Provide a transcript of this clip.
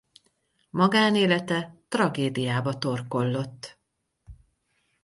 Magánélete tragédiába torkollott.